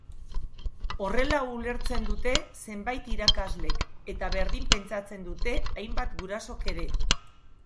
Horrela ulertzen dute zenbait irakaslek, eta berdin pentsatzen dute hainbat gurasok ere.